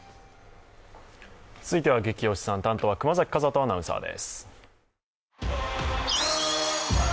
続いては「ゲキ推しさん」担当は熊崎風斗アナウンサーです。